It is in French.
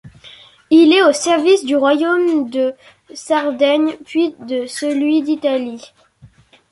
Il est au service du Royaume de Sardaigne puis de celui d'Italie.